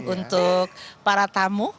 untuk para tamu